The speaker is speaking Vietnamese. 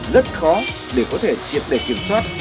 rất khó để có thể triệt đề kiểm soát